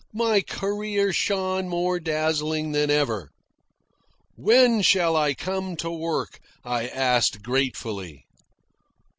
My career shone more dazzling than ever. "When shall I come to work?" I asked gratefully.